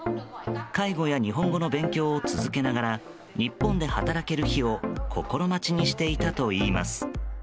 介護や日本語の勉強を続けながら日本で働ける日を心待ちにしていたといいます。